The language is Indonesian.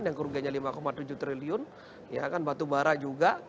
yang kerugiannya lima tujuh triliun batu bara juga